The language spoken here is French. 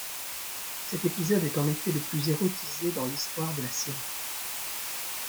Cet épisode est en effet le plus érotisé dans l'histoire de la série.